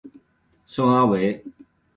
圣阿维。